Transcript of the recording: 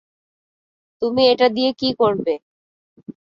তুমি এটা দিয়ে কী করবে?